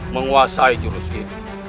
menguasai jurus ini